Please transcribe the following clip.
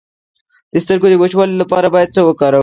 د سترګو د وچوالي لپاره باید څه وکاروم؟